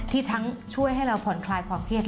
ที่ทั้งช่วยให้เราผ่อนคลายความเครียด